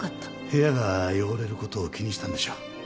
部屋が汚れることを気にしたんでしょう。